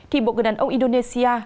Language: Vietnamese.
thì một người đàn ông indonesia